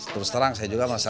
terus terang saya juga merasa